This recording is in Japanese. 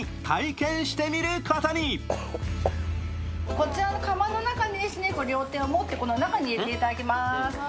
こちらの釜の中に両手で持って中に入れてもらいます。